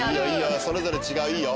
それぞれ違ういいよ！